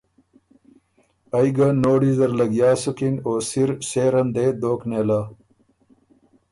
ائ ګۀ نوړی زر لګیا سُکِن او سِر سېر ان دې دوک نېله۔